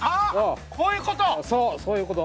こういうこと。